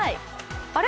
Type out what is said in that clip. あれ？